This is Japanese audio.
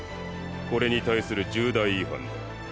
これに対する重大違反だ。